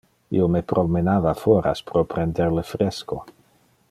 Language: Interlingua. Io me promenava foras pro prender le fresco.